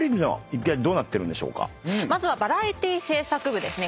まずはバラエティ制作部ですね。